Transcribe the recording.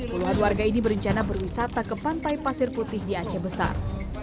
puluhan warga ini berencana berwisata ke pantai pasir putih di aceh besar